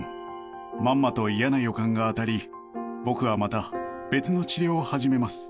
まんまと嫌な予感が当たり僕はまた別の治療を始めます。